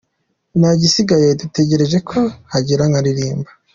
Nta gisigaye, dutegereje ko hagera nkaririmba.